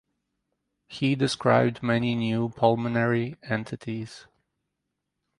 He described many new pulmonary entities.